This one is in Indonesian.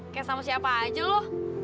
kayak sama siapa aja loh